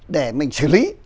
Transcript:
để mình xử lý